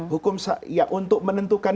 hukum syariat untuk menentukan itu adalah